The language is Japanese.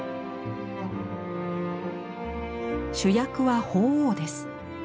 主役は鳳凰です。